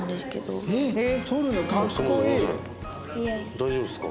大丈夫ですか？